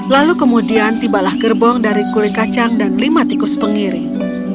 lalu kemudian tibalah gerbong dari kulit kacang dan lima tikus pengiring